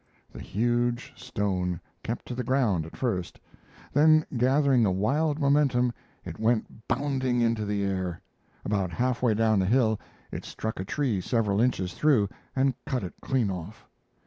The huge stone kept to the ground at first, then, gathering a wild momentum, it went bounding into the air. About half way down the hill it struck a tree several inches through and cut it clean off.